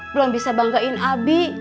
belum bisa banggain abi